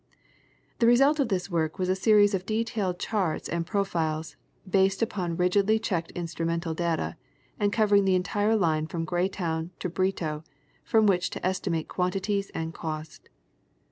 The result of this work was a series of detail charts and pro files, based upon rigidly checked instrumental data, and covering the entire line from Greytown to Brito, from which to estimate quantities and cost.